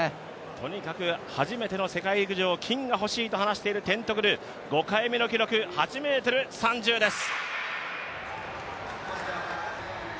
とにかく初めての世界陸上、金が欲しいと話しているテントグル、５回目の記録、８ｍ３０です。